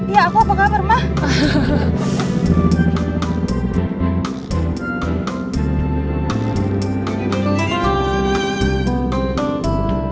iya aku apa kabar mak